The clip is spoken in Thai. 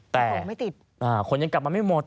แต่คนยังกลับมาไม่หมด